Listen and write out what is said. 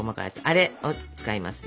あれを使いますね。